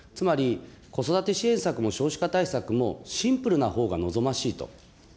子育て支援策も少子化対策もシンプルな方が望ましいと。